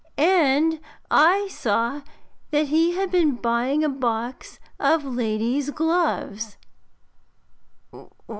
And I saw that he had been buying a box of ladies' gloves.'